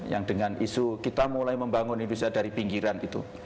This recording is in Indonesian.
yang dengan isu kita mulai membangun indonesia dari pinggiran itu